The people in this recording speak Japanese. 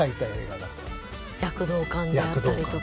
躍動感であったりとか。